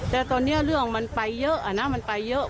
แต่ตอนนี้เรื่องมันไปเยอะนะมันไปเยอะ